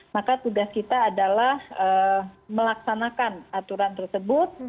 maka tugas kita adalah melaksanakan aturan tersebut